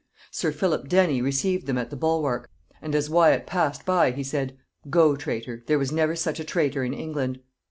"Sir Philip Denny received them at the bulwark, and as Wyat passed by, he said, 'Go, traitor, there was never such a traitor in England.'